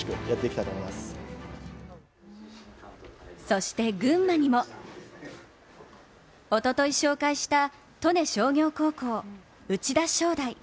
そして、群馬にもおととい紹介した利根商業高校・内田湘大。